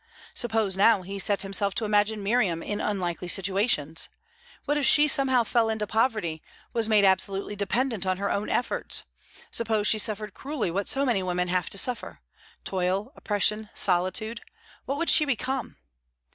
Suppose now, he set himself to imagine Miriam in unlikely situations. What if she somehow fell into poverty, was made absolutely dependent on her own efforts? Suppose she suffered cruelly what so many women have to suffer toil, oppression, solitude; what would she become?